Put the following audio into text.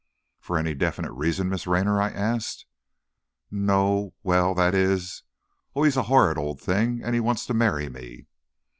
"For any definite reason, Miss Raynor?" I asked. "N no, well, that is oh, he's a horrid old thing, and he wants to marry me!"